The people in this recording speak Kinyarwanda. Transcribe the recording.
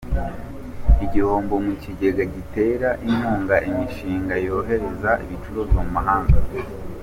Igihombo mu Kigega gitera Inkunga imishinga yo kohereza Ibicuruzwa mu mahanga